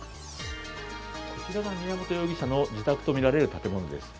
これが宮本容疑者の自宅とみられる建物です。